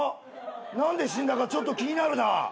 何で死んだかちょっと気になるな。